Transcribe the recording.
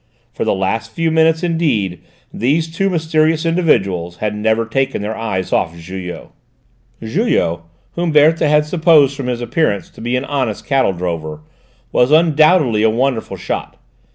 For the last few minutes, indeed, these two mysterious individuals had never taken their eyes off Julot. Julot, whom Berthe had supposed from his appearance to be an honest cattle drover, was undoubtedly a wonderful shot.